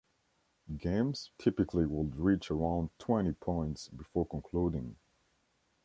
Games typically would reach around twenty points before concluding.